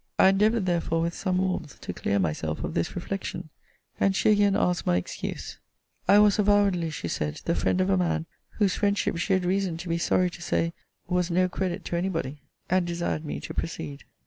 I endeavoured, therefore, with some warmth, to clear myself of this reflection; and she again asked my excuse: 'I was avowedly, she said, the friend of a man, whose friendship, she had reason to be sorry to say, was no credit to any body.' And desired me to proceed.